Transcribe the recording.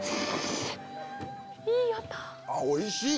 おいしい！